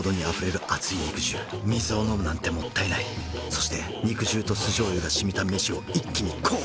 そして肉汁と酢醤油がしみた飯を一気にこう！